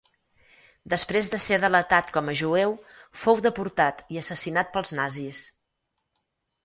Després de ser delatat com a jueu, fou deportat i assassinat pels nazis.